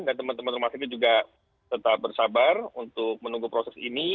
dan teman teman rumah sakit juga tetap bersabar untuk menunggu proses ini